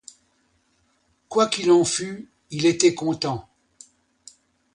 Quoi qu'il en fût, il était content.